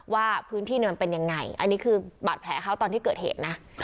ว่าพื้นที่มันเป็นยังไงอันนี้คือบาดแผลเขาตอนที่เกิดเหตุนะ